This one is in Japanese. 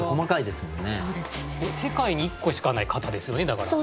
世界に１個しかない型ですよねだから。